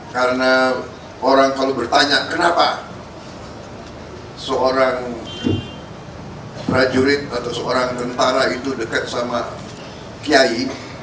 karena orang kalau bertanya kenapa seorang prajurit atau seorang tentara itu dekat sama kiai